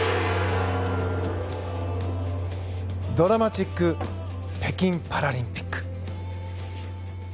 銅鑼マチック北京パラリンピック。